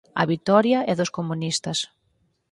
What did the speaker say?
A vitoria é dos comunistas.